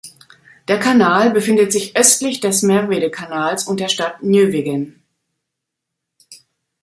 Der Kanal befindet sich östlich des Merwede-Kanals und der Stadt Nieuwegein.